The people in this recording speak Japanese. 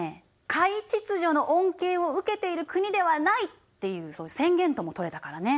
華夷秩序の恩恵を受けている国ではないっていう宣言ともとれたからね。